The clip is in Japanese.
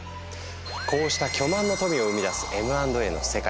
こうした巨万の富を生み出すＭ＆Ａの世界。